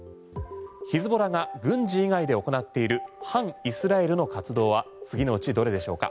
ヒズボラが軍事以外で行っている反イスラエルの活動は次のうちどれでしょうか？